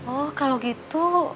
oh kalau gitu